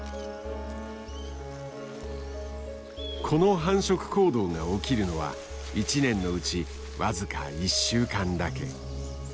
この繁殖行動が起きるのは１年のうち僅か１週間だけ。